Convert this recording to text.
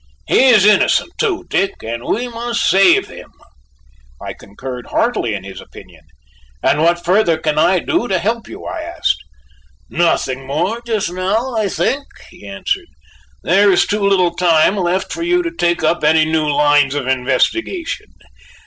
He is innocent, too, Dick! and we must save him." I concurred heartily in his opinion; "And what further can I do to help you?" I asked. "Nothing more just now, I think," he answered. "There is too little time left for you to take up any new lines of investigation.